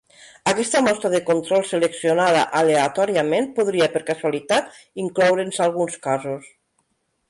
Aquesta mostra de control seleccionada aleatòriament podria, per casualitat, incloure'n alguns casos.